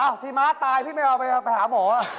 อ้าวพี่ม้าตายพี่ไม่เอาไปไปหาหมอ